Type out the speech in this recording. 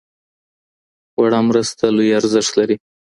وړه مرسته لوی ارزښت لري